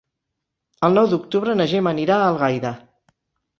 El nou d'octubre na Gemma anirà a Algaida.